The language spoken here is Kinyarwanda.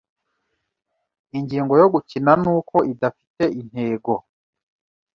Ingingo yo gukina ni uko idafite intego.